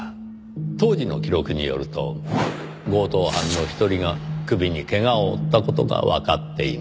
当時の記録によると強盗犯の一人が首に怪我を負った事がわかっています。